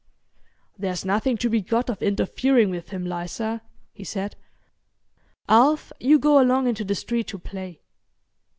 "There's nothing to be got of interfering with him, Liza," he said. "Alf, you go along into the street to play.